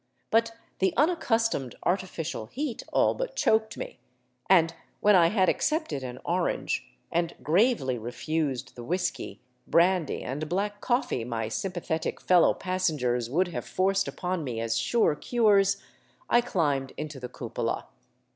But the unaccustomed artificial heat all but choked me, and when I had accepted an orange, and gravely refused the whiskey, brandy, and black coffee my sympathetic fellow passengers would have forced upon me as sure cures, I climbed into the cupola.